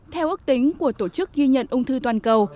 theo ước tính của tổ chức ghi nhận ung thư toàn cầu